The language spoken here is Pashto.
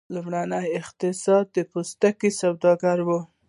لومړنی اقتصاد د پوستکي په سوداګرۍ و.